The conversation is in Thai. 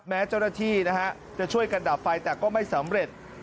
แม้เจ้าหน้าที่นะฮะจะช่วยกันดับไฟแต่ก็ไม่สำเร็จ